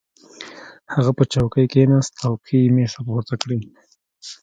هغه په چوکۍ کېناست او پښې یې مېز ته پورته کړې